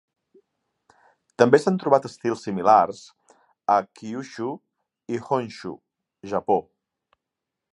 També s'han trobat estils similars a Kyushu i Honshu, Japó.